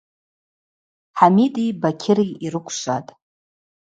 Хӏамиди Бакьыри йрыквшватӏ.